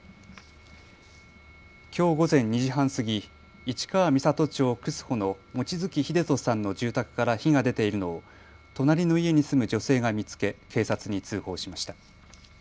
きょう午前２時半過ぎ、市川三郷町楠甫の望月秀人さんの住宅から火が出ているのを隣の家に住む女性が見つけ、警察に通報しました。